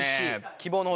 希望の星。